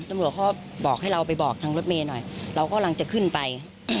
ตำรวจเขาบอกให้เราไปบอกทางรถเมย์หน่อยเรากำลังจะขึ้นไป